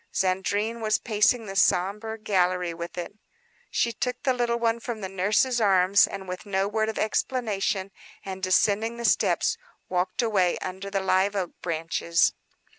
Zandrine was pacing the sombre gallery with it. She took the little one from the nurse's arms with no word of explanation, and descending the steps, walked away, under the live oak branches.